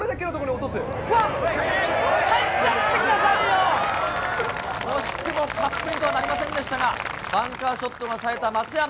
惜しくもカップインとはなりませんでしたが、バンカーショットがさえた松山。